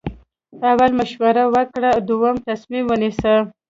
اول مشوره وکړه دوهم تصمیم ونیسه.